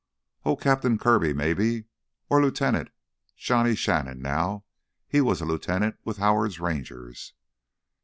"Oh—Captain Kirby, maybe? Or Lieutenant? Johnny Shannon—now he was a lieutenant with Howard's Rangers."